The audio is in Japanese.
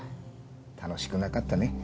楽しくなかったね。